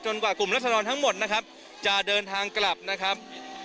กว่ากลุ่มรัศดรทั้งหมดนะครับจะเดินทางกลับนะครับ